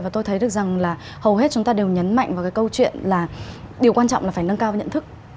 và tôi thấy được rằng là hầu hết chúng ta đều nhấn mạnh vào cái câu chuyện là điều quan trọng là phải nâng cao cái nhận thức